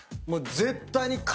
もう絶対に。